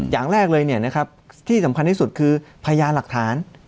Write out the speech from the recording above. อย่างแรกเลยที่สำคัญที่สุดคือพยานหลักฐาน